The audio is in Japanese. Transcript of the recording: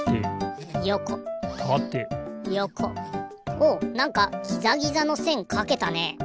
おおなんかギザギザのせんかけたね。